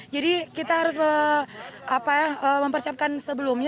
kita harus mempersiapkan sebelumnya